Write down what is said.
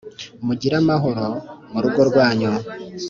Mugire amahoromu rugo rwanyu